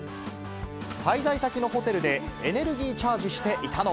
滞在先のホテルで、エネルギーチャージしていたのは。